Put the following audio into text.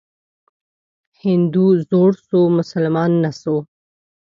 هندو زوړ سو ، مسلمان نه سو.